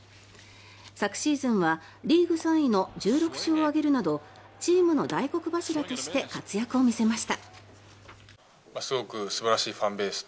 昨シーズンはリーグ３位の１６勝を挙げるなどチームの大黒柱として活躍を見せました。